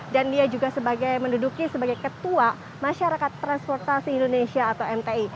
dan dia juga sebagai menduduki sebagai ketua masyarakat transportasi indonesia atau mti